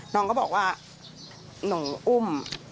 น้องก็บอกว่าหนูอุ้ม